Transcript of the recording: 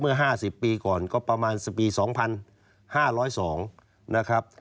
๕๐ปีก่อนก็ประมาณปี๒๕๐๒นะครับ